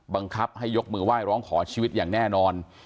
บังคับให้ยกมือไหว้ร้องขอชีวิตอย่างแน่นอน